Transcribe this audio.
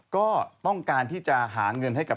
ก็ต้องการที่จะหาเงินให้กับ